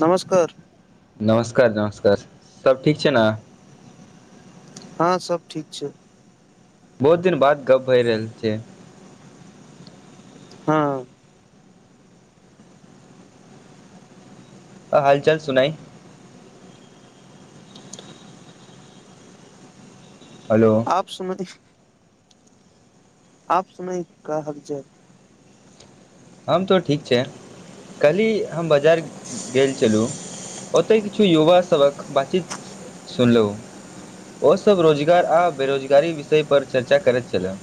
नमस्कार नमस्कार नमस्कार सभ ठीक छै ने? हँ सब ठीक छै। बहुत दिन बाद गप भइ रहल छै। हँ आ हाल चाल सुनाइ। हेलो आप सुन आप सुनाई का हाल चाल हम तो ठीक छै कल्हि हम बाजार गेल छलुं ओतय किछु युवासभक बातचीत सुनलहुँ ओसभ रोजगार आ बेरोजगारी विषयपर चर्चा करैत छलए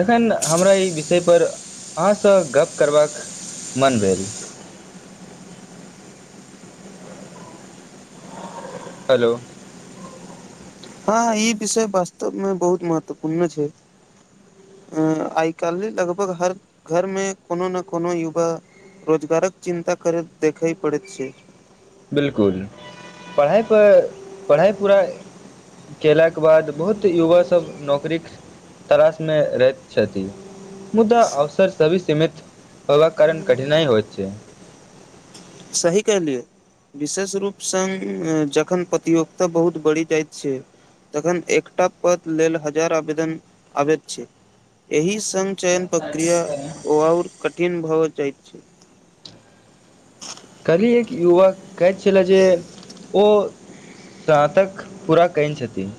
तखन हमरा एहि विषयपर अहाँसँ गप करबाक मन भेल। हलो। हां ई विषय वास्तव मे बहुत महत्वपूर्ण छै, अ आय-काल्हि लगभग हर घर मे कोनो ने कोनो युवा रोजगारक चिन्ता करे देखे पड़ैत छै। बिलकुल पढ़ाई पर पढ़ाई पूरा कयला के बाद बहुत युवा सब नौकरीक तलाशमे रहैत छथि, मुद्दा अवसर सभी सीमित होयबाक कारण कठिनाइ होएत छै। सही कहलियै विशेष रूप सम ए जखन प्रतियोगिता बहुत बढ़ि जाएत छै, तखन एकटा पद लेल हजार आवेदन आबैत छै, एहि उत्तम चयन पक्रिया ओआउर कट दिन भऽ जाई छै। कल्हि एक युवक कहैत छले जे ओ स्नातक पूरा कैने छथिन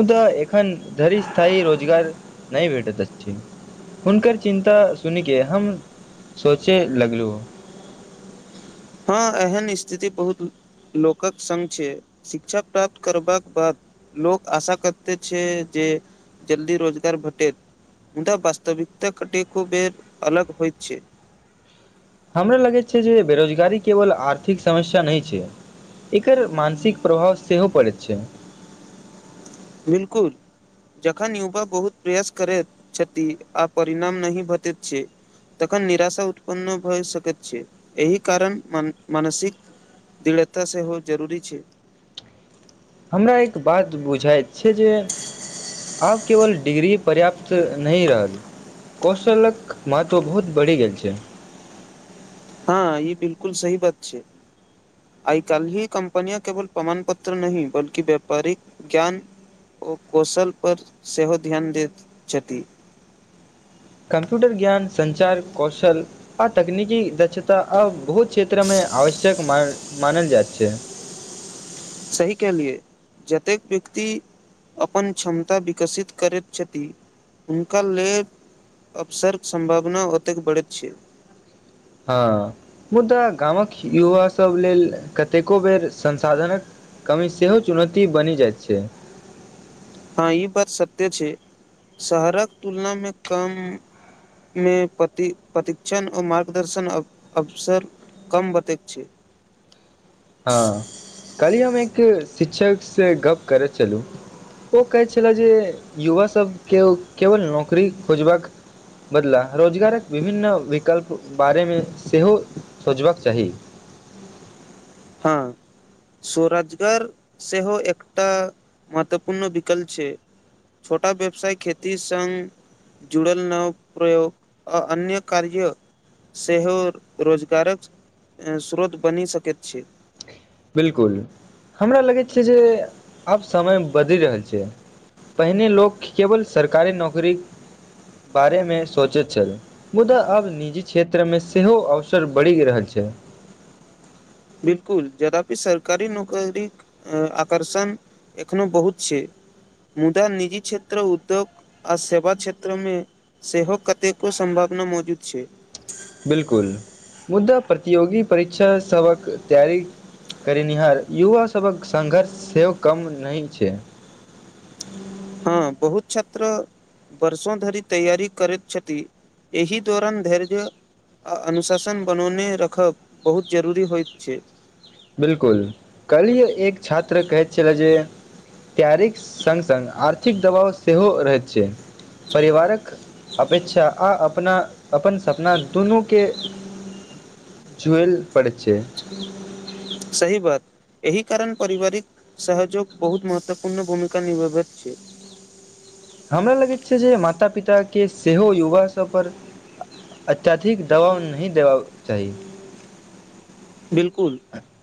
मुदा एखन धरि स्थायी रोजगार नहि भेटैत अछि हुनकर चिन्ता सुनि कऽ हम सोचे लगलु हां एहन स्थिति बहुत लोकक संग छै, शिक्षा प्राप्त करबाक बाद लोक आशा करते छै जे जल्दी रोजगार भेटेैत मुदा वास्तविकता कटि खूबे अलग होएत छै। हमरा लगै छै जे बेरोजगारी केवल आर्थिक समस्या नै छै, एकर मानसिक प्रभाव सेहो पड़ैत छै। बिलकुल जखन युवा बहुत प्रयास करैत छथि आ परिणाम नहि भटैत छै, तखन निराशा उत्पन्न भए सकैत छै, एहि कारण मान मानसिक दृढ़ता सेहो जरूरी छै। हमरा एक बात बुझाएत छै जे आब केवल डिग्री पर्याप्त नहि रहल, कौशलक महत्व बहुत बढ़ि गेल छै। हाँ ई बिलकुल सही बात छै आय-काल्हि कम्पनिया केवल प्रमाण पत्र नहि बल्कि व्यापारिक ज्ञान ओ कौशल पर सेहो ध्यान दैत छथि। कम्प्यूटर ज्ञान संचार कौशल आ तकनीकी दक्षता आब बहुत क्षेत्रमे आवश्यक मा मानल जाएत छै। सही कहलिये जतेक व्यक्ति अपन क्षमता विकसित करैत छथि, हुनका लेल अवसरक सम्भावना ओतेक बढ़ैत छै। हाँ मुद्दा गामक युवा सब लेल कतेको बेर संसाधनक कमी सेहो चुनौती बनि जाएत छै। हाँ ई बात सत्य छै शहरक तुलना मे कम मे पति प्रतिक्षण और मार्गदर्शन अव अवसर कम बतैत छै। हाँ कल्हि हम एक शिक्षक से गप्प करै छलु ओ कहै छला जे युवा सब के केवल नौकरी खोजबाक बदला रोजगारक विभिन्न विकल्प बारे मे सेहो सोचबाक चाही। हाँ स्वरोजगार सेहो एकटा महत्वपूर्ण विकल्प छै, छोटा व्यवसाय खेती संग जुड़ल नव प्रयोग आ अन्य कार्य सेहो रोजगारक ए स्रोत बनि सकैत छै। बिलकुल हमरा लगैत छै जे आब समय बदलि रहल छै, पहिने लोक केवल सरकारी नौकरी बारेमे सोचैत छल, मुदा आब निजी क्षेत्र मे सेहो अवसर बढ़ि रहल छै। बिलकुल यदापि सरकारी नौकरीक अ आकर्षण एखनो बहुत छै, मुदा निजी क्षेत्र, उद्योग आ सेवा क्षेत्र मे सेहो कतेको सम्भावना मौजूद छै। बिलकुल मुद्दा प्रतियोगी परीक्षा सबक तैयारी करेनिहार युवा सबक संघर्ष सेहो कम नै छै। हाँ बहुत छात्र वर्षो धरि तैयारी करैत छथि, एहि दौरान धैर्य आ अनुशासन बनौने रखब बहुत जरूरी होएत छै। बिलकुल कल्हि एक छात्र कहैत छलै जे तैयारीक संग-संग आर्थिक दबाव सेहो रहैत छै, परिवारक अपेक्षा आ अपना अपन सपना दुनू के झुएल पड़ैत छै। सही बात एहि कारण पारिवारिक सहजोग बहुत महत्वपूर्ण भूमिका निभाबैत छै। हमरा लगैत छै जे माता-पिता के सेहो युवा सब पर अत्यधिक दबाव नहि देबाक चाही। [unintelligible] कुल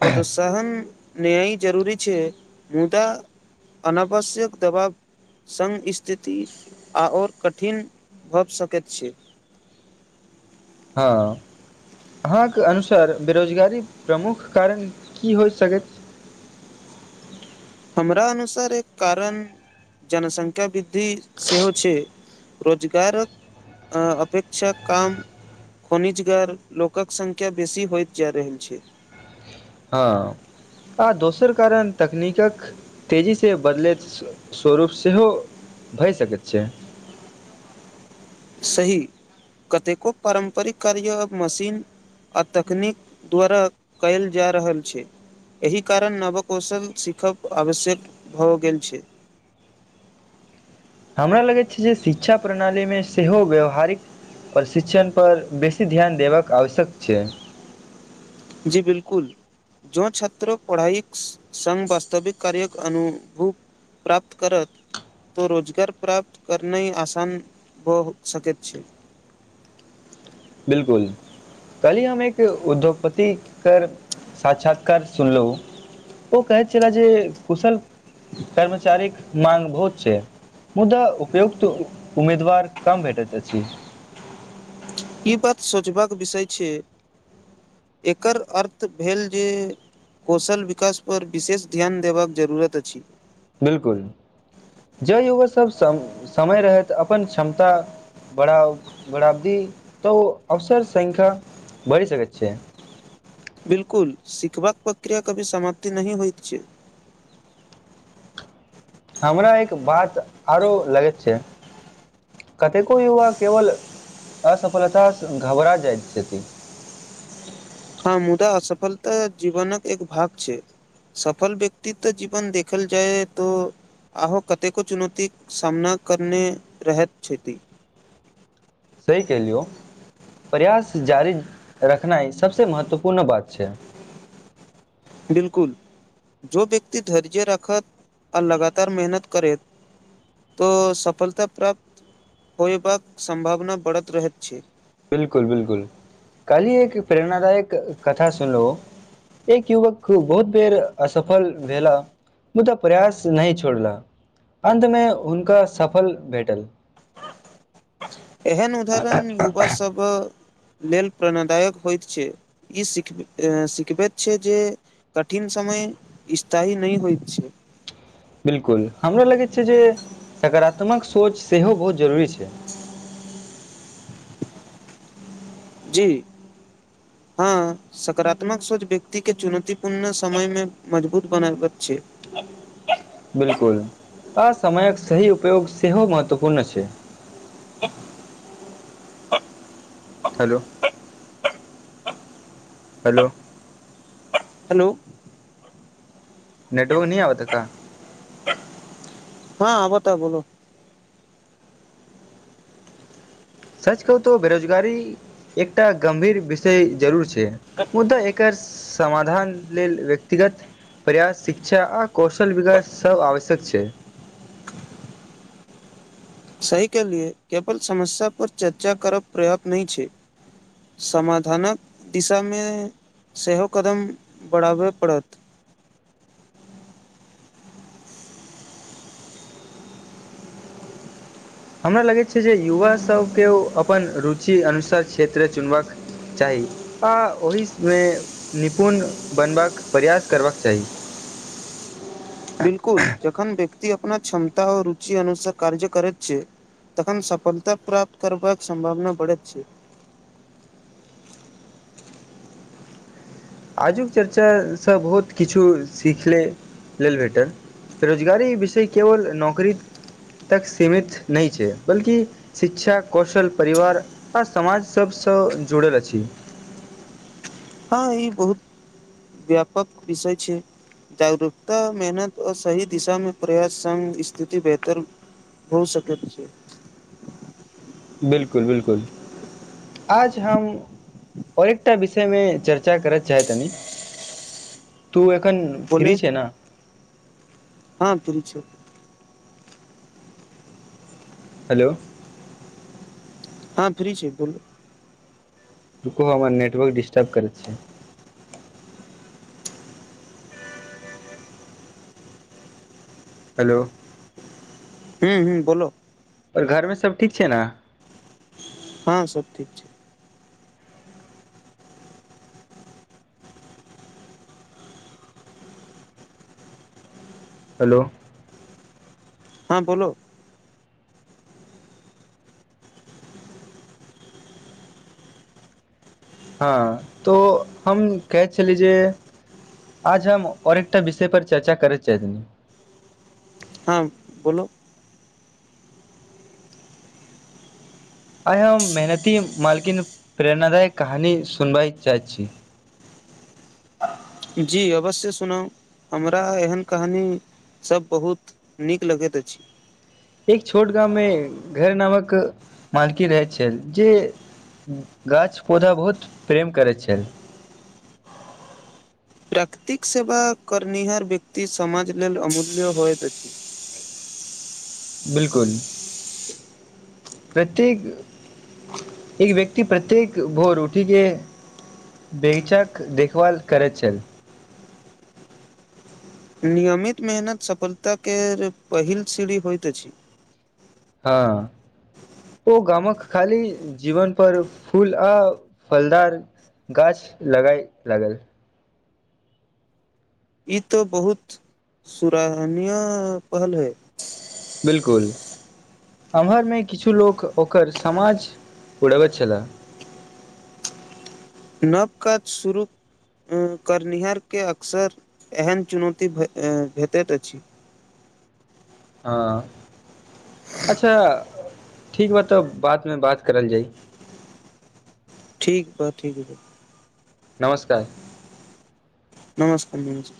पदोत्साहन न्याय जरूरी छै मुद्दा अनावश्यक दबाव संग स्थिति आओर कठिन भऽ सकैत छै। हाँ अहाँके अनुसार बेरोजगारी के प्रमुख कारण की होय सकैत हमरा अनुसार एक कारण जनसंख्या वृ द्धि सेहो छै। रोजगारक अ अपेक्षा काम खोनिजगर लोकक संख्या बेसी होएत जा रहल छै। हां आ दोसर कारण तकनीकक तेजी से बदलैत स्वरूप सेहो भए सकैत छै। सही कतेको पारम्परिक कार्य आब मशीन आ तकनीक द्वारा कयल जा रहल छै, एहि कारण नव कौशल सीखब आवश्यक भऽ गेल छै। हमरा लगै छै जे शिक्षा प्रणाली मे सेहो व्यावहारिक प्रशिक्षण पर बेसी ध्यान देबाक आवश्यक छै। जी बिलकुल जो छात्र पढ़ाई स संग वास्तविक कार्यक अनुभूव प्राप्त करत तो रोजगार प्राप्त करने आसान भ सकैत छै। बिलकुल कलहि हम एक उद्योगपति कर साक्षात्कार सुनलौ ओ कहैत छला जे कुशल कर्मचारीक माँग बहुत छै, मुदा उपयुक्त उम्मीदवार कम भेटैत अछि। इ बात सोचबाक विषय छै, एकर अर्थ भेल जे कौशल विकास पर विशेष ध्यान देबाक जरूरत अछि। बिलकुल जँ युवा सब सम समय रहैत अपन क्षमता बढ़ाउ बढ़ाबदी तऽ उ अवसर संख्या बढ़ि सकैत छै। बिलकुल सिखबाक प्रक्रिया कभी समाप्ति नहि होएत छै। हमरा एक बात आरो लगैत छै कतेको युवा केवल असफलता सँ घबरा जाएत छथि। हँ मुदा असफलता जीवनक एक भाग छै सफल व्यक्तित जीवन देखल जाय तो आहो कतेको चुनौतीक सामना करने रहैत छथि। सेहि केहलियौ प्रयास जारी रखनाइ सभसे महत्वपूर्ण बात छै। बिलकुल जो व्यक्ति धैर्य राखत आ लगातार मेहनत करैत तो सफलता प्राप्त होयबाक संभावना बढ़त रहैत छै। बिलकुल बिलकुल काल्ही एक प्रेरणादायक कथा सुनलो एक युवक बहुत बेर असफल भेला मुदा प्रयास नहि छोड़ला अन्तमे हुनका सफल भेटल। एहन उदाहरण युवा सब लेल प्रणदायक होएत छै, इ सिख एं सिखबैत छै जे कठिन समय स्थायी नहि होएत छै। बिलकुल हमरा लगैत छै जे सकारात्मक सोच सेहो बहुत जरूरी छै। जी हँ सकारात्मक सोच व्यक्ति के चुनौतीपूर्ण समय मे मजबूत बनाबैत छै। बिलकुल आ समयक सही उपयोग सेहो महत्वपूर्ण छै। [unintelligible] हेलो हेलो हेलो नेटवर्क नहि आब त का? हँ आबता बोलो। सच कहू तो बेरोजगारी एकटा गम्भीर विषय जरूर छै मुदा एकर समाधान लेल व्यक्तिगत प्रयास, शिक्षा आ कौशल विकास सभ आवश्यक छै। सही कहलिए केवल समस्या पर चर्चा करब पर्याप्त नहि छै समाधानक दिशामे सेहो कदम बढ़ाबय पड़त। हमरा लगैत छै जे युवा सभकेओ अपन रुचि अनुसार क्षेत्र चुनबाक चाही आ ओहिसमे निपुण बनबाक प्रयास करबाक चाही। बिलकुल जखन व्यक्ति अपना क्षमता और रुचि अनुसार कार्य करैत छै तखन सफलता प्राप्त करबाक सम्भावना बढ़ैत छै। आजुक चर्चासँ बहुत किछु सीखले लेल भेटल। बेरोजगारी विषय केवल नौकरी तक सीमित नहि छै बल्कि शिक्षा, कौशल, परिवार आ समाज सभसँ जुड़ल अछि। हँ ई बहुत व्यापक विषय छै। जागरूकता, मेहनत और सही दिशा मे प्रयास संग स्थिति बेहतर हो सकैत छै। बिलकुल बिलकुल आज हम और एकटा विषयमे चर्चा करय चाहैतनि तू एक कन बोले फ्री छै ने? हँ फ्री छीयऊ। हेलो हँ फ्री छीयै, बोलू रुको आब हमर नेटवर्क डिस्टर्ब करै छै। हेलो हूं हूं बोलो और घरमे सब ठीक छै ने? हँ सभ ठीक छै। हेलो हाॅं बोलो हँ तो हम कहै छलि जे आज हम और एकटा विषय पर चर्चा करय चाहैत रहनी हाॅं बोलो आइ हम मेहनती मालकिन प्रेरणादायक कहानी सुनबय चाहैत छी। जी अवश्य सुनाउ हमरा एहन कहानीसभ बहुत नीक लगैत अछि। एक छोट गाममे घर नामक मालकी रहैत छल जे गाछ पौधा बहुत प्रेम करैत छल। प्राकृतिक सेवा करनिहार व्यक्ति समाज लेल अमूल्य होइत अछि। बिलकुल प्रत्येक एक व्यक्ति प्रत्येक भोर उठिके बगीचाक देखभाल करैत छल। नियमित मेहनत सफलताके पहिल सीढ़ी होइत अछि हँ ओ गामक खाली जीवन पर फूल आ फलदार गाछ लगाए लागल। ई तऽ बहुत सुराहनीय पहल अई। बिलकुल एम्हरमे किछु लोक ओकर समाज उड़बैत छलैह। नव काज शुरू करनिहारके अक्सर एहन चुनौती भेटैत अछि। हँ, अच्छा ठीक बा तऽ बादमे बात करल जाइ। ठीक ब ठीक नमस्कार नमस्ते नमस्ते।